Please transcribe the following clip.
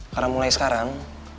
karena mulai sekarang